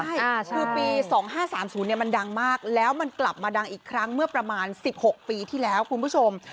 ใช่คือปี๒๕๓๐มันดังมากแล้วมันกลับมาดังอีกครั้งเมื่อประมาณ๑๖ปีที่แล้วคุณผู้ชม